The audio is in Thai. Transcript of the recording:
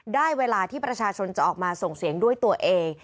ได้เวลาที่ประชาชนจะออกมาส่งเสียงด้วยตัวเอง